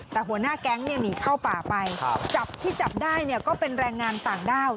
แต่หัวหน้าแก๊งหนีเข้าป่าไปจับที่จับได้ก็เป็นแรงงานต่างด้าว